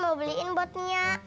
mau beli ini buat nia